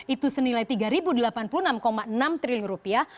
itu senilai tiga delapan puluh enam enam triliun rupiah